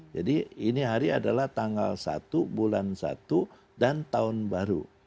jadi ini hari adalah tanggal satu bulan satu dan tahun baru